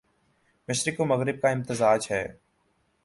مشرق و مغرب کا امتزاج ہے